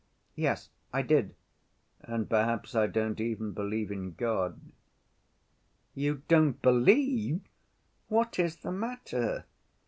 "Yes, I did." "And perhaps I don't even believe in God." "You don't believe? What is the matter?"